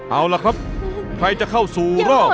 เอาล่ะครับใครจะเข้าสู่รอบ